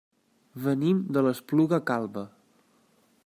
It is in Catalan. Venim de l'Espluga Calba.